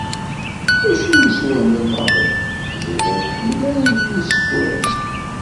Acu i y-isswehmen maḍi, ziɣ ur tḥemmel ara ayen isukṛin.